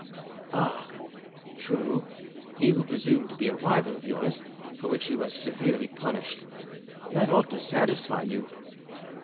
"Ah, true! he who presumed to be a rival of yours, for which he was severely punished; that ought to satisfy you."